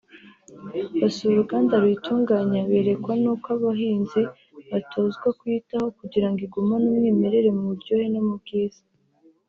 basura uruganda ruyitunganya berekwa n’uko bahinzi batozwa kuyitaho kugira ngo igumane umwimerere mu buryohe no mu bwiza